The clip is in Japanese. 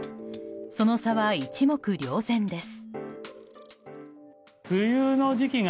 その差は一目瞭然です。